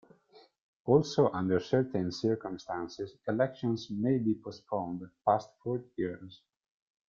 Also under certain circumstances elections may be postponed past four years.